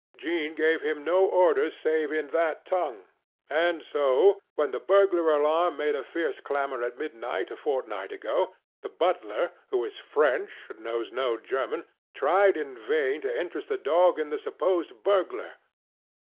Jean gave him no orders save in that tongue. And so when the burglar alarm made a fierce clamor at midnight a fortnight ago, the butler, who is French and knows no German, tried in vain to interest the dog in the supposed burglar.